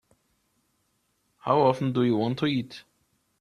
How often do you want to eat?